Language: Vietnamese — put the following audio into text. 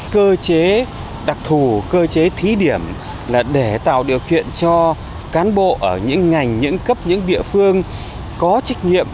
cơ chế đặc thù cơ chế thí điểm là để tạo điều kiện cho cán bộ ở những ngành những cơ chế